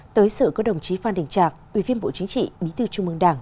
tới sự có đồng chí phan đình trạc ủy viên bộ chính trị bí tư trung ương đảng